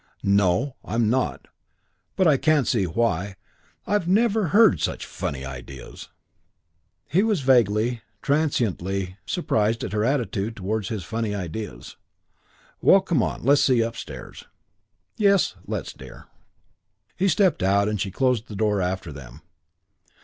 "No I'm not. But I can't see why. I've never heard such funny ideas." He was vaguely, transiently surprised at her attitude towards his funny ideas. "Well, come on, let's see upstairs." "Yes, let's, dear." He stepped out, and she closed the door after them.